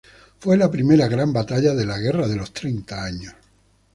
Fue la primera gran batalla de la Guerra de los Treinta Años.